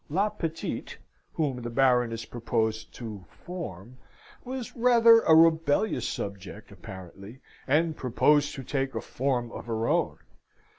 "La petite," whom the Baroness proposed to "form," was rather a rebellious subject, apparently, and proposed to take a form of her own.